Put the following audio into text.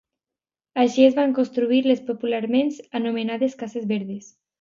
Així es van construir les popularment anomenades Cases Verdes.